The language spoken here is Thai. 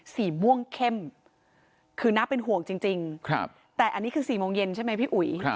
สีม่วงเข้มคือน่าเป็นห่วงจริงแต่อันนี้คือ๔โมงเย็นใช่ไหมพี่อุ๋ย